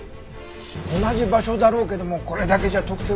同じ場所だろうけどもこれだけじゃ特定は無理だよ。